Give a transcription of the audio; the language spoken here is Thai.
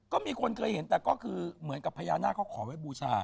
ก็มีคนเคยเห็นแต่ก็คือเหมือนกับพญานาคเขาขอไว้บูชา